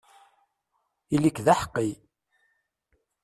Ili-k d aḥeqqi!